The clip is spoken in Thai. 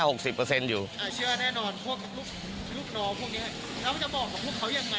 อยู่อ่าเชื่อแน่นอนพวกลูกลูกน้องพวกเนี้ยแล้วจะบอกกับพวกเขายังไง